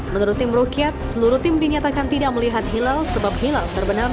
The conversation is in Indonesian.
menurut tim rukyat seluruh tim dinyatakan tidak melihat hilal sebab hilal terbenam